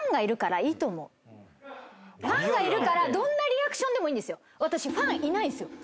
ファンがいるからどんなリアクションでもいいんですよ。